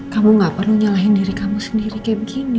kamu gak perlu nyalahin diri kamu sendiri kayak begini